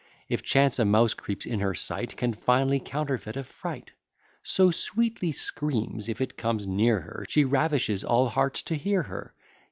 If chance a mouse creeps in her sight, Can finely counterfeit a fright; So sweetly screams, if it comes near her, She ravishes all hearts to hear her.